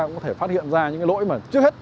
cũng có thể phát hiện ra những cái lỗi mà trước hết